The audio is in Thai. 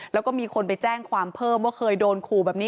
แล้วก็มีคนไปแจ้งความเพิ่มว่าเคยโดนขู่แบบนี้